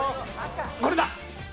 これだ！